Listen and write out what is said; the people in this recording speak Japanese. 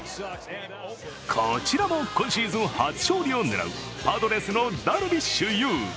こちらも今シーズン初勝利を狙うパドレスのダルビッシュ有。